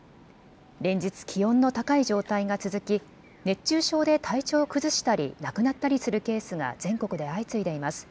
連日、気温の高い状態が続き熱中症で体調を崩したり亡くなったりするケースが全国で相次いでいます。